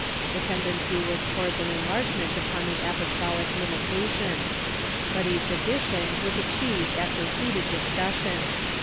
The tendency was towards an enlargement upon the apostolic limitation. But each addition was achieved after heated discussion.